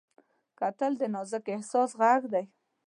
کتل د نازک احساس غږ دی